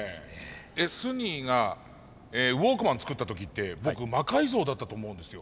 Ｓニーがウォークマン作った時って僕魔改造だったと思うんですよ。